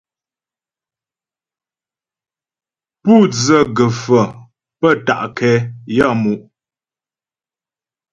Pú dzə gə̀faə̀ pə́ ta' nkɛ yaə́mu'.